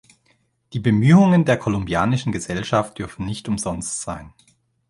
Die Bemühungen der kolumbianischen Gesellschaft dürfen nicht umsonst sein.